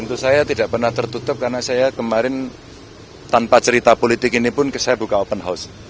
tentu saya tidak pernah tertutup karena saya kemarin tanpa cerita politik ini pun saya buka open house